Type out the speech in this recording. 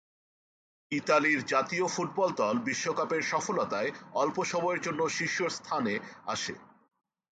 ইতালির জাতীয় ফুটবল দল বিশ্বকাপের সফলতায় অল্প সময়ের জন্য শীর্ষস্থানে আসে।